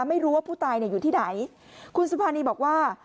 ไม่รู้ว่าผู้ตายเนี่ยอยู่ที่ไหนคุณสุภานีบอกว่า